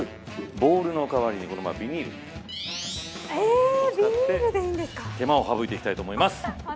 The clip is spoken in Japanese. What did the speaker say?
ボウルの代わりにビニールを使って手間を省いていきたいと思います。